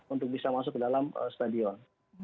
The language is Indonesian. untuk bisa masuk ke dalam stadion